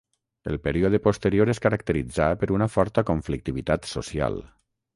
El període posterior es caracteritzà per una forta conflictivitat social.